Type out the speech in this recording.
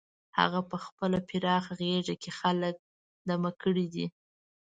هغه په خپله پراخه غېږه کې خلک دمه کړي دي.